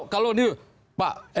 kalau ini pak